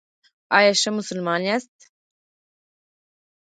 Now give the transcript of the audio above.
ایا ښه مسلمان یاست؟